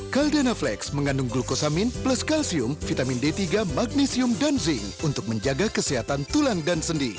caldana flex mengandung glukosamin plus kalsium vitamin d tiga magnesium dan zinc untuk menjaga kesehatan tulang dan sendi